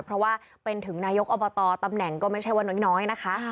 เพราะว่าเป็นถึงนายกอบตตำแหน่งก็ไม่ใช่ว่าน้อยนะคะ